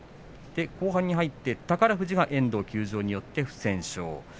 後半になって宝富士は遠藤遠藤が休場によって不戦勝です。